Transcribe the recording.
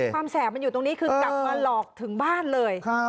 แสบมันอยู่ตรงนี้คือกลับมาหลอกถึงบ้านเลย